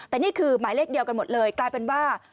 แต่นี่คือหมายเลขเดียวกันหมดเลยกลายเป็นว่า